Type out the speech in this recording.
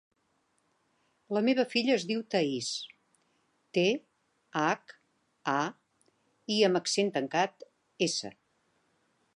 La meva filla es diu Thaís: te, hac, a, i amb accent tancat, essa.